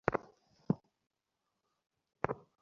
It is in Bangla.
কখনো-কখনো আমার একাকীত্বে সেরে ওঠার প্রয়োজন পড়ে।